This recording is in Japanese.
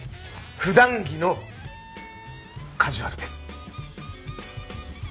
普段着のカジュアルです。